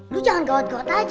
lu jangan gawat gawat aja